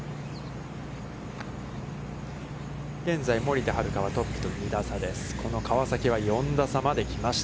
現在、森田遥は、トップと２打差です。